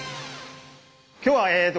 今日はえっと